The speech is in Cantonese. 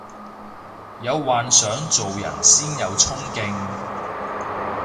有幻想做人先有沖勁